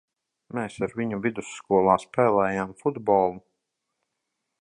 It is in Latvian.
Mēs ar viņu vidusskolā spēlējām futbolu.